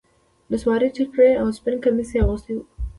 نصواري ټيکری او سپين کميس يې اغوستي وو.